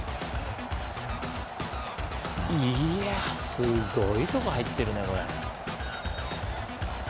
すごいところ入ってるね、これ。